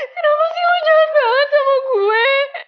kenapa sih lo jalan banget sama gue